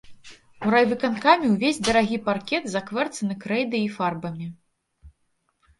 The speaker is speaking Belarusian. У райвыканкаме ўвесь дарагі паркет заквэцаны крэйдаю й фарбамі.